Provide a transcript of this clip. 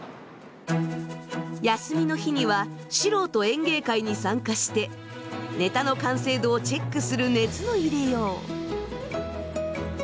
休みの日には素人演芸会に参加してネタの完成度をチェックする熱の入れよう。